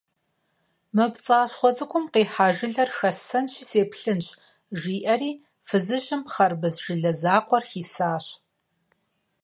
«Мы пцӀащхъуэ цӀыкӀум къихьа жылэр хэссэнщи сеплъынщ», - жиӀэри фызыжьым хъэрбыз жылэ закъуэр хисащ.